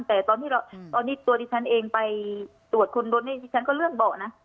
แต่ตอนนี้ตัวดิฉันเองไปตรวจคนรถนี่ดิฉันก็เลื่อนเบาะนะ